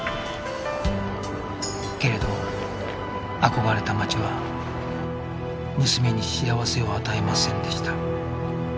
けれど憧れた街は娘に幸せを与えませんでした